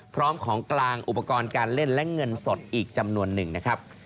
พร้อมของกลางอุปกรณ์การเล่นและเงินสดอีกจำนวนหนึ่งนะครับ